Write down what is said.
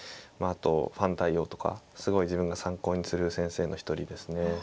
あとファン対応とかすごい自分が参考にする先生の一人ですね。